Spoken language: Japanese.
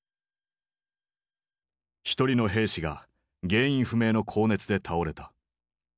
１人の兵士が原因不明の高熱で倒れた。